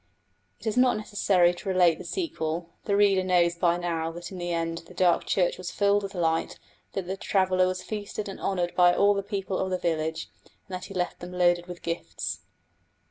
It is not necessary to relate the sequel: the reader knows by now that in the end the dark church was filled with light, that the traveller was feasted and honoured by all the people of the village, and that he left them loaded with gifts.